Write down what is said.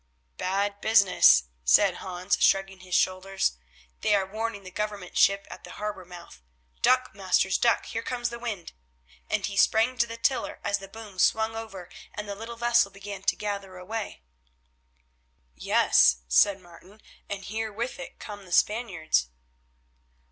"Bad business," said Hans, shrugging his shoulders. "They are warning the Government ship at the harbour mouth. Duck, masters, duck; here comes the wind," and he sprang to the tiller as the boom swung over and the little vessel began to gather way. "Yes," said Martin, "and here with it come the Spaniards."